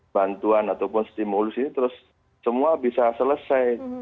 bantuan ataupun stimulus ini terus semua bisa selesai